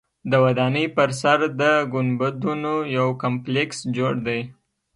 د ودانۍ پر سر د ګنبدونو یو کمپلیکس جوړ دی.